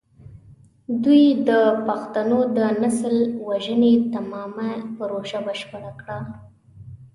دوی د پښتنو د نسل وژنې ناتمامه پروژه بشپړه کړه.